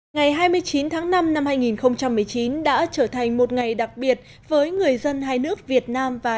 ngày hai mươi chín tháng năm năm hai nghìn một mươi chín đã trở thành một ngày đặc biệt với người dân hai nước việt nam và